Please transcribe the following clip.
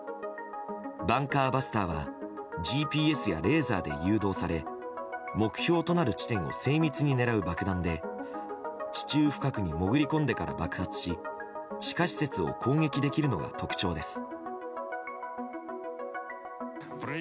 バンカーバスターはＧＰＳやレーザーで誘導され目標となる地点を精密に狙う爆弾で地中深くにもぐりこんでから爆発し地下施設を攻撃できるのが特徴です。